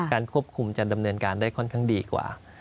ควบคุมจะดำเนินการได้ค่อนข้างดีกว่า